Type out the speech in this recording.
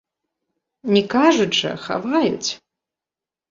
Не кажуць жа, хаваюць.